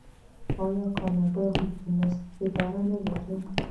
آیا کاناډا د ډیپلوماسۍ اداره نلري؟